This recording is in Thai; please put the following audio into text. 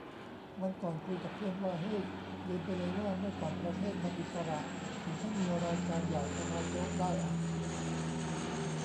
วันก่อนคุยกับเพื่อนว่า เฮ้ย ลืมไปเลยว่าเมื่อก่อนประเทศมันอิสระถึงขั้นมีรายการอย่าง สภาโจ๊ก ได้อ่ะ